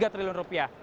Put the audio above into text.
tujuh tiga triliun rupiah